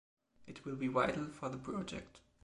It will be vital for the project.